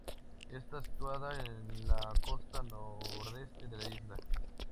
Está situada en la costa nordeste de la isla.